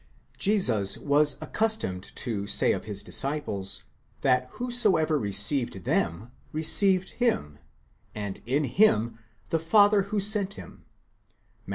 Jesus was accustomed to say of his disciples, that whosoever received them, received him, and in him, the Father who had sent him (Matt.